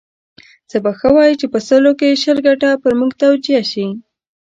څه به ښه وای چې په سلو کې شل ګټه پر موږ توجیه شي.